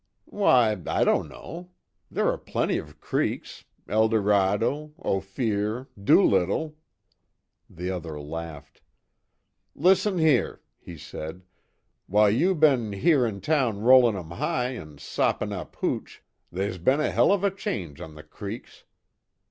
"Why I don't know. There are plenty of creeks Eldorado Ophir Doolittle " The other laughed: "Listen here," he said, "While you be'n here in town rollin' 'em high an' soppin' up hooch, they's be'n a hell of a change on the creeks.